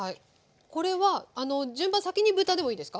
これは順番先に豚でもいいですか？